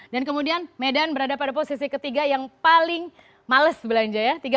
dan kemudian medan berada pada posisi ketiga yang paling males belanja ya